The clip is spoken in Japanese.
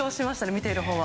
見ているほうは。